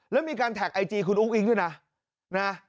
แล้วมีการแท็กไอจีคุณอุ้งอิ๊งด้วยนะ